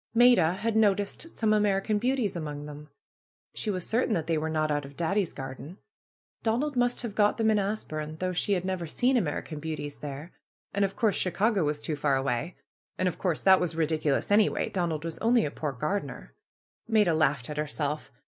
Maida had noticed some American Beauties among them. She was certain that they were not out of Daddy's garden. Donald must have got them in As burne, although she had never seen American Beau ties there. And of course Chicago was too far away. And of course that was ridiculous anyway. Donald was only a poor gardener. Maida laughed at herself.